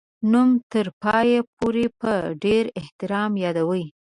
نوم تر پایه پوري په ډېر احترام یادوي.